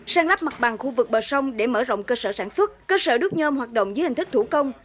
sáng lắp mặt bằng khu vực bờ sông để mở rộng cơ sở sản xuất cơ sở đút nhôm hoạt động dưới hình thức thủ công